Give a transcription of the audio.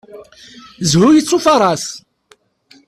Zhu yettufaṛas.